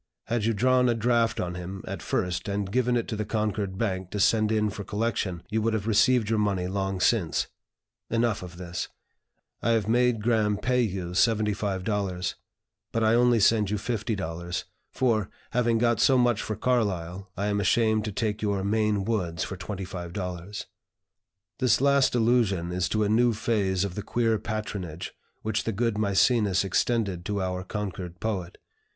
Had you drawn a draft on him, at first, and given it to the Concord Bank to send in for collection, you would have received your money long since. Enough of this. I have made Graham pay you $75, but I only send you $50, for, having got so much for Carlyle, I am ashamed to take your 'Maine Woods' for $25." This last allusion is to a new phase of the queer patronage which the good Mæcenas extended to our Concord poet.